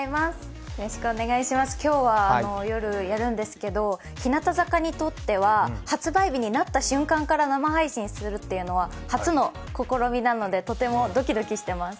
今日は夜やるんですけど、日向坂にとっては発売日になった瞬間から生配信するっていうのは初の試みなのでとてもドキドキしてます。